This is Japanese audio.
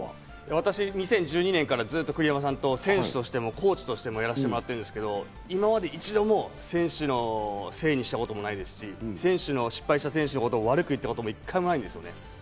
私、２０１２年からずっと選手としてもコーチとしても栗山さんとやらせてもらっていますけど、今まで一度も選手のせいにしたこともないですし、失敗した選手を悪く言ったことも１回もないです。